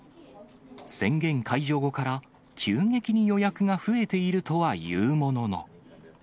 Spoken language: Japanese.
宣言解除後から急激に予約が増えているとはいうものの。